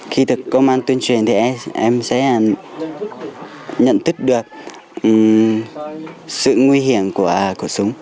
khi được công an tuyên truyền thì em sẽ nhận thức được sự nguy hiểm của súng